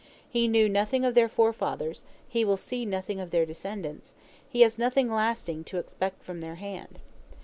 He knew nothing of their forefathers he will see nothing of their descendants he has nothing lasting to expect from their hand.